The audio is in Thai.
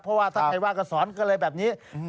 เพราะว่าถ้าใครว่าก็สอนก็เลยแบบนี้